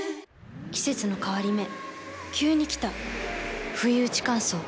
季節の変わり目急に来たふいうち乾燥。